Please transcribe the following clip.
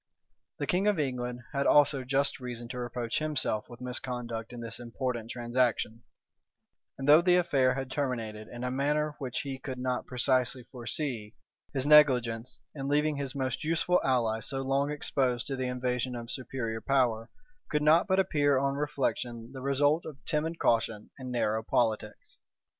The king of England had also just reason to reproach himself with misconduct in this important transaction; and though the affair had terminated in a manner which he could not precisely foresee, his negligence, in leaving his most useful ally so long exposed to the invasion of superior power, could not but appear on reflection the result of timid caution and narrow politics.